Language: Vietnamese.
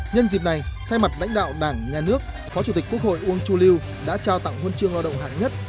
nhân dịp này thay mặt lãnh đạo đảng nhà nước phó chủ tịch quốc hội uông chu lưu đã trao tặng huân chương lao động hạng nhất